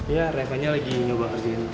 ya reva nya lagi nyoba kerjaan